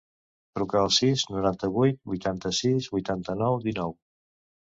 Truca al sis, noranta-vuit, vuitanta-sis, vuitanta-nou, dinou.